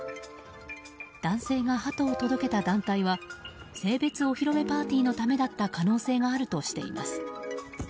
男性がハトを届けた団体は性別お披露目パーティーのためだった可能性があるとしています。